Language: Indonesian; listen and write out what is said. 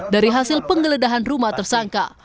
dari hasil penggeledahan rumah tersangka